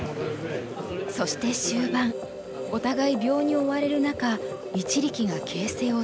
そして終盤お互い秒に追われる中一力が形勢を損ねた。